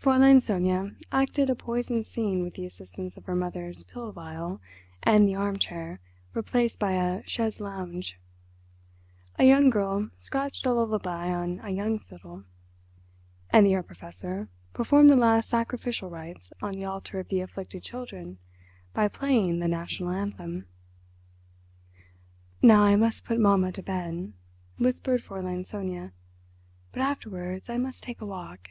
Fräulein Sonia acted a poison scene with the assistance of her mother's pill vial and the arm chair replaced by a "chaise longue"; a young girl scratched a lullaby on a young fiddle; and the Herr Professor performed the last sacrificial rites on the altar of the afflicted children by playing the National Anthem. "Now I must put mamma to bed," whispered Fräulein Sonia. "But afterwards I must take a walk.